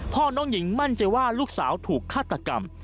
น้องหญิงมั่นใจว่าลูกสาวถูกฆาตกรรม